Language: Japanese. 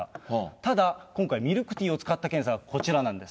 ただ今回、ミルクティーを使った検査がこちらなんです。